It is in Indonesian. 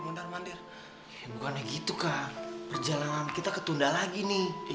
ya bukannya gitu kak perjalanan kita ketunda lagi nih